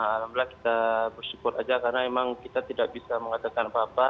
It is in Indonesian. alhamdulillah kita bersyukur aja karena memang kita tidak bisa mengatakan apa apa